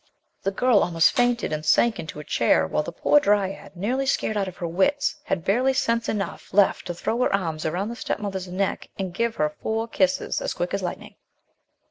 The girl almost fainted and sank into a chair, while the poor dryad, near ly scared out of her wits, had barely sense enough left to throw her arms around the step mother's neck and give her four kisses, as quick as lightning.